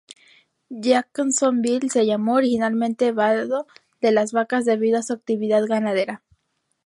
Jacksonville se llamó originalmente Vado de las vacas debido a su actividad ganadera.